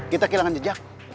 kita kehilangan jejak